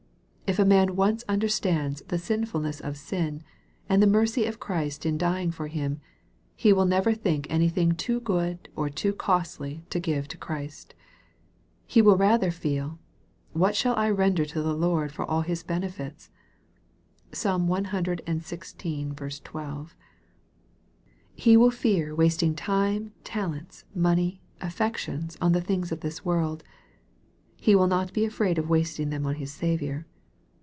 If a man once understands the sinfulness of sin, and the mercy of Christ in dying for him, he will never think anything too good or too costly to give to Christ. He will rather feel, " what shall I render to the Lord for all His benefits." (Psalrn cxvi. 12.) He will fear wasting time, talents, money, affections on the things of this world. He will not be afraid of wasting them on his Saviour.